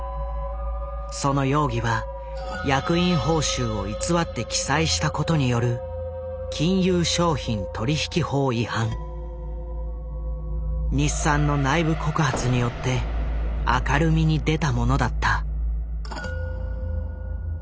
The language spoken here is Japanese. その容疑は役員報酬を偽って記載したことによる金融商品取引法違反。によって明るみに出たものだった。